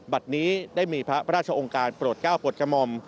บัดนี้ได้มีพระพระราชองค์การโปรดเก้าโปรดกมม